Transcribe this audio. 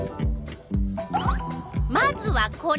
まずはこれ。